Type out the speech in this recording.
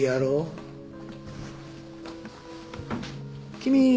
君。